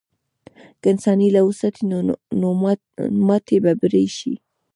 که انسان هیله وساتي، نو ماتې به بری شي.